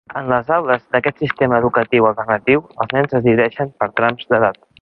En les aules d'aquest sistema educatiu alternatiu els nens es divideixen per trams d'edat.